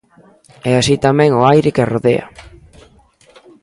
e así tamén o aire que as rodea.